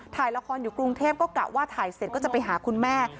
ถ่ายละครอยู่กรุงเทพก็กะว่าถ่ายเสร็จก็จะไปหาคุณแม่